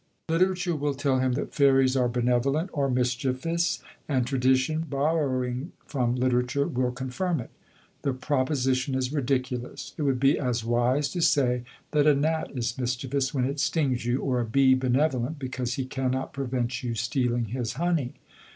Literature will tell him that fairies are benevolent or mischievous, and tradition, borrowing from literature, will confirm it. The proposition is ridiculous. It would be as wise to say that a gnat is mischievous when it stings you, or a bee benevolent because he cannot prevent you stealing his honey.